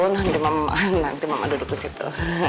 nanti mama duduk disitu